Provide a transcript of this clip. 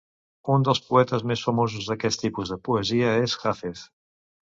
Un dels poetes més famosos d"aquest tipus de poesia és Hafez.